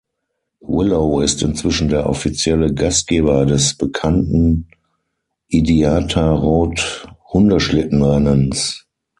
Willow ist inzwischen der offizielle Gastgeber des bekannten Idiatarod-Hundeschlittenrennens.